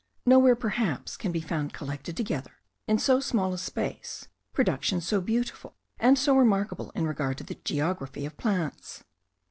Nowhere, perhaps, can be found collected together, in so small a space, productions so beautiful, and so remarkable in regard to the geography of plants.